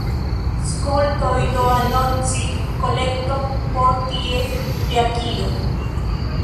Skoltoj do anoncis kolekton por ties reakiro.